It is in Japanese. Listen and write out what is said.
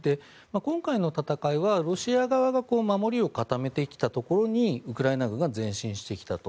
今回の戦いは、ロシア側が守りを固めてきたところにウクライナ軍が前進してきたと。